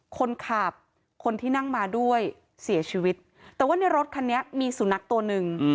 คนขับคนที่นั่งมาด้วยเสียชีวิตแต่ว่าในรถคันนี้มีสุนัขตัวหนึ่ง